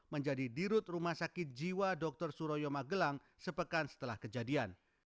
menjadi dirut rumah sakit jiwa dr suroyo magelang sepekan setelah kejadian